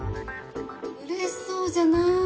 うれしそうじゃない。